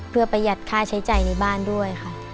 เพื่อประหยัดค่าใช้จ่ายในบ้านด้วยค่ะ